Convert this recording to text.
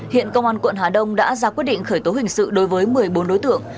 hiện công an quận hà đông đã ra quyết định khởi tố hình sự đối với một mươi bốn đối tượng